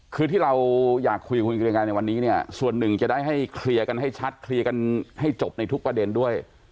คือที่เราอยากคุยกับคุณกิริยาในวันนี้เนี่ยส่วนหนึ่งจะได้ให้เคลียร์กันให้ชัดเคลียร์กันให้จบในทุกประเด็นด้วย